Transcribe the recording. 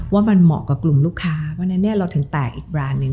ว่ามันเหมาะกับกลุ่มลูกค้าเพราะฉะนั้นเราถึงแตกอีกแบรนด์หนึ่ง